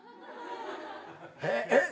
えっ？